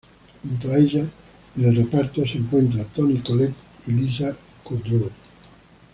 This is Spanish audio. Junto a ella en el reparto se encontraban Toni Collette y Lisa Kudrow.